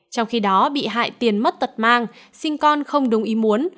trong khi đó bị hại tiền mất tật mang sinh con không đúng ý muốn